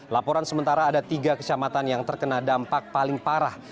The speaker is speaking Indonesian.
laporan sementara ada tiga kecamatan yang terkena dampak paling parah